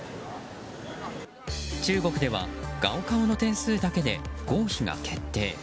中国ではガオカオの点数だけで合否が決定。